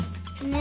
ね